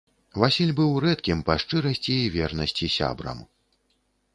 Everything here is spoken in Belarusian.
Васіль быў рэдкім па шчырасці і вернасці сябрам.